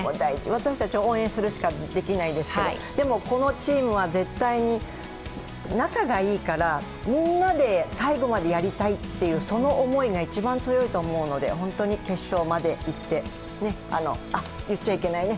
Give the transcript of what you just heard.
私たち、応援するしかできないですけどでもこのチームは絶対に仲がいいからみんなで最後までやりたいっていうその思いが一番強いと思うので本当に決勝まで言ってあ、言っちゃいけないね。